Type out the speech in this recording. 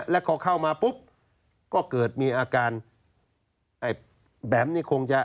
แล้วพอเข้ามาปุ๊บก็เกิดมีอาการแบมนี่คงจะ